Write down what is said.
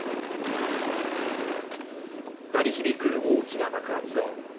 鳴り響く大きな爆発音。